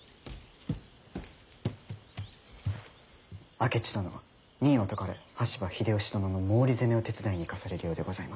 明智殿任を解かれ羽柴秀吉殿の毛利攻めを手伝いに行かされるようでございます。